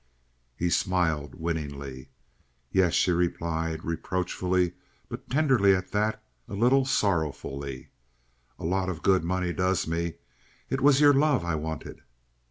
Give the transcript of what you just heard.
He smiled winningly. "Yes," she replied, reproachfully but tenderly at that, a little sorrowfully, "a lot of good money does me. It was your love I wanted."